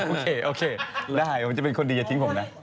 โอเคโอเคได้ผมจะเป็นคนดีอย่าทิ้งผมนะ